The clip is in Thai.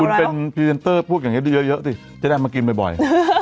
คุณเป็นพรีเซ็นเตอร์พูดอย่างเงี้ยเยอะเยอะจะได้มากินบ่อยบ่อย